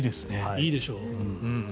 いいでしょ